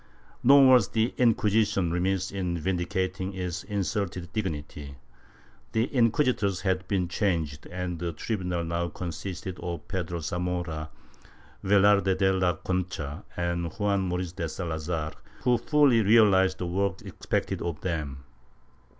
Nor was the Inquisition remiss in vindicating its insulted dignity. The inquisitors had been changed and the tribunal now consisted of Pedro Zamora, Velarde de la Concha and Juan Moriz de Sala zar, who fully realized the work expected of them.